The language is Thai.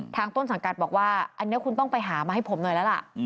ต้นสังกัดบอกว่าอันนี้คุณต้องไปหามาให้ผมหน่อยแล้วล่ะ